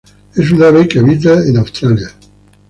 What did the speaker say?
Es un ave que habita en Australia.